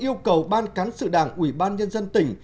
yêu cầu ban cán sự đảng ủy ban nhân dân tỉnh